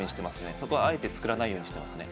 そこはあえて作らないようにしてますね